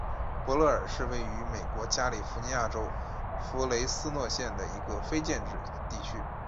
伯勒尔是位于美国加利福尼亚州弗雷斯诺县的一个非建制地区。